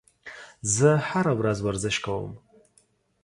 زه هره ورځ ورزش کوم